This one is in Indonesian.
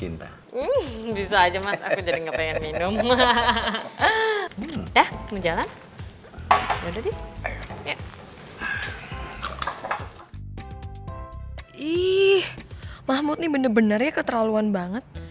ih mahmud ini bener bener ya keterlaluan banget